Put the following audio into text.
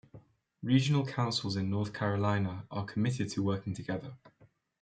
Regional councils in North Carolina are committed to working together.